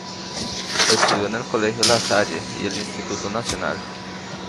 Estudió en el colegio La Salle y el Instituto Nacional.